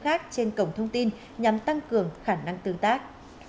khác trên cổng thông tin nhằm tăng cường khả năng tương tác